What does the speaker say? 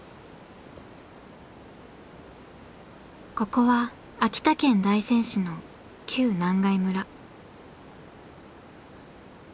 ここは秋田県大仙市の旧・南外村。